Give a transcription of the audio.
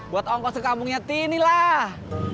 buat ongkos kekampungnya tini lah